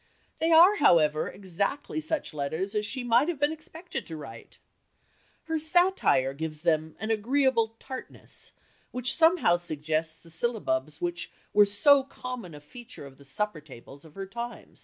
They are, however, exactly such letters as she might have been expected to write. Her satire gives them an agreeable tartness which somehow suggests the syllabubs which were so common a feature of the supper tables of her time.